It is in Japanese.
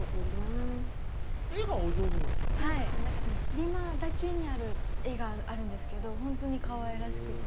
ＲＩＭＡだけにある絵があるんですけどほんとにかわいらしくて。